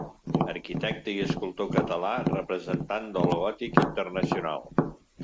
Arquitecte i escultor català, representant del gòtic internacional.